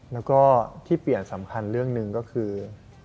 แล้วก็ที่เปลี่ยนสำคัญเรื่องหนึ่งก็คือ